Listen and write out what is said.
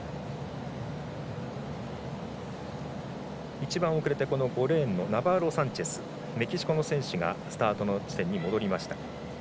一番遅れて５レーンのナバーロサンチェスメキシコの選手がスタート地点に戻りました。